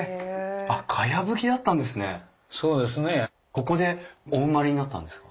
ここでお生まれになったんですか？